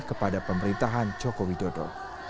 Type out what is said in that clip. kepada pemerintahan jokowi dodo